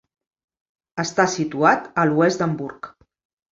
Està situat a l'oest d'Hamburg.